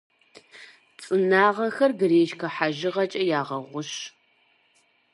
ЦӀынагъэхэр гречкэ хьэжыгъэкӀэ ягъэгъущ.